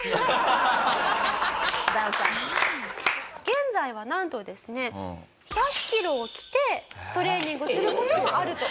現在はなんとですね１００キロを着てトレーニングする事もあると。